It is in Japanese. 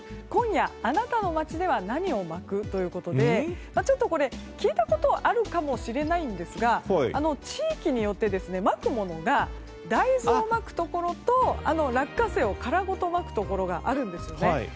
今夜、あなたの街では何をまく？ということでちょっと聞いたことあるかもしれないんですが地域によって、まくものが大豆をまくところと落花生を殻ごとまくところがあるんですね。